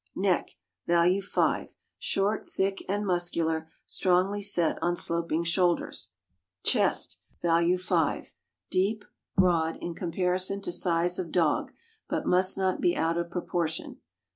Neck (value 5) short, thick, and muscular, strongly set on sloping shoulders. THE SCOTTISH TERRIER. 469 Chest (value 5) deep; broad, in comparison to size of dog, but must not be out of proportion.